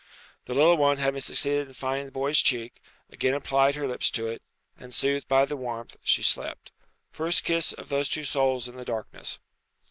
The little one having succeeded in finding the boy's cheek, again applied her lips to it, and, soothed by the warmth, she slept. First kiss of those two souls in the darkness.